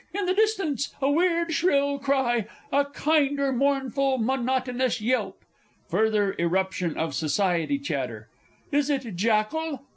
in the distance a weird shrill cry, a kinder mournful, monotonous yelp (Further irruption of SOCIETY CHATTER) ... is it jackal?